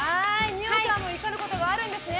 二葉ちゃんも怒ることがあるんですね。